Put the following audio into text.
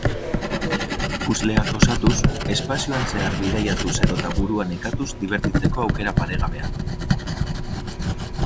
Puzzleak osatuz, espazioan zehar bidaiatuz edota burua nekatuz dibertitzeko aukera paregabea.